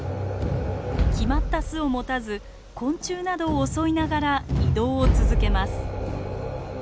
決まった巣を持たず昆虫などを襲いながら移動を続けます。